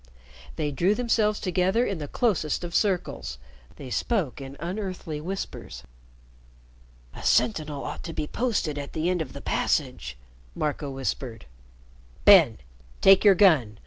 They drew themselves together in the closest of circles; they spoke in unearthly whispers. "A sentinel ought to be posted at the end of the passage," Marco whispered. "Ben, take your gun!"